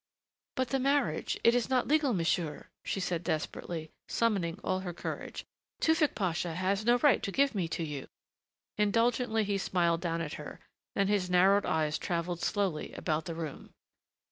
"But the marriage it is not legal, monsieur," she said desperately, summoning all her courage. "Tewfick Pasha has no right to give me to you " Indulgently he smiled down at her, then his narrowed eyes traveled slowly about the room.